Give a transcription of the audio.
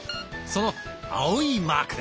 その青いマークです。